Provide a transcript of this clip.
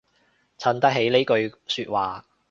襯得起呢句說話